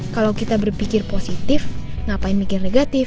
kalau kita berpikir positif ngapain mikir negatif